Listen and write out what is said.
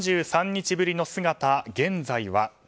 ３３日ぶりの姿、現在は？